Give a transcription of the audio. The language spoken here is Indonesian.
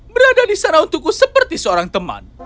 berada di sana untukku seperti seorang teman